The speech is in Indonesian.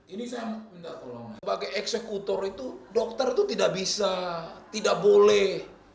ini saya mau minta tolong sebagai eksekutor itu dokter itu tidak bisa tidak boleh